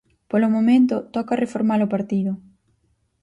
Polo momento, toca reformalo partido.